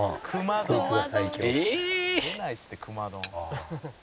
「出ないですって熊丼は」